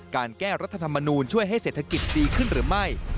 การแก้รัฐธรรมนูลช่วยให้เศรษฐกิจดีขึ้นหรือไม่